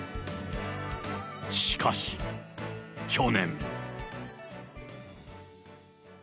しかし、去年。